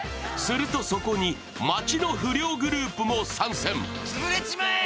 すると、そこに町の不良グループも参戦。